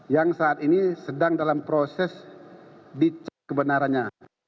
yang saat ini sedang dalam proses di cek kebenarannya